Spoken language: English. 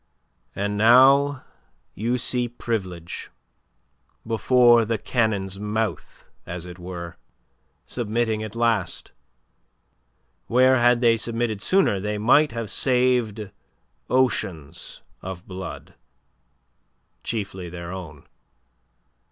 And now you see Privilege before the cannon's mouth, as it were submitting at last, where had they submitted sooner they might have saved oceans of blood chiefly their own.